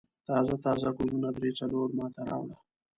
تازه تازه ګلونه درې څلور ما ته راوړه.